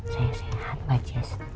saya sehat wajah